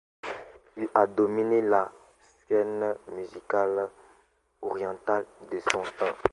Il a dominé la scène musicale orientale de son temps.